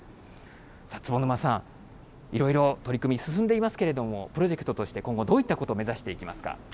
坪沼さん、いろいろ取り組み進んでいますけれども、プロジェクトとして今後、どういったことを目指していきますか。